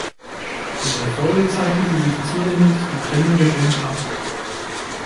In der Folge zeichnete sich zunehmend die Trennung der Band ab.